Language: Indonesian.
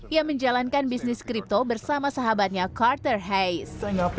ia menjalankan bisnis kripto bersama sahabatnya carter hayes